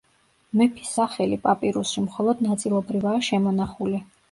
მეფის სახელი პაპირუსში მხოლოდ ნაწილობრივაა შემონახული.